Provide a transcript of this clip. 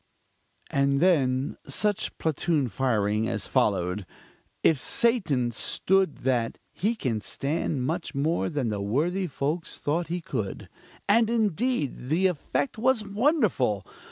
And then such platoon firing as followed! If Satan stood that, he can stand much more than the worthy folks thought he could. And, indeed, the effect was wonderful!